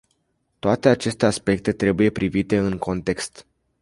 Toate aceste aspecte trebuie privite în context.